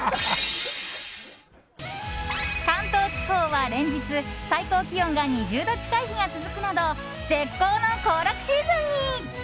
関東地方は連日、最高気温が２０度近い日が続くなど絶好の行楽シーズンに。